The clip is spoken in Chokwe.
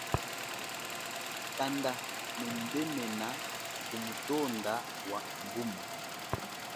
Kanda nubemena ku mutonda wa mbuma.